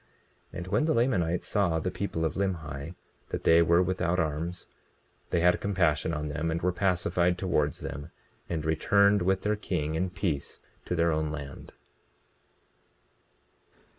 20:26 And when the Lamanites saw the people of Limhi, that they were without arms, they had compassion on them and were pacified towards them, and returned with their king in peace to their own land.